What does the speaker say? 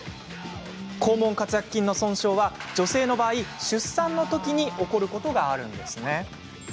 肛門括約筋の損傷は女性の場合、出産のときに起こることがあるんです。